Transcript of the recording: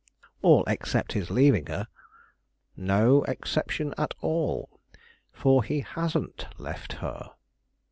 "All except his leaving her." "No exception at all; for he hasn't left her."